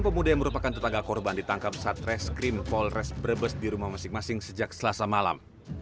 pemuda yang merupakan tetangga korban ditangkap saat reskrim polres brebes di rumah masing masing sejak selasa malam